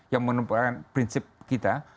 yang menempelkan prinsip kita